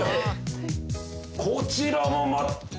こちらもまた。